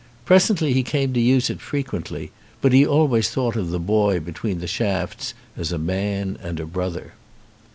Presently he came to use it frequently, but he always thought of the boy between the shafts as a man and a brother.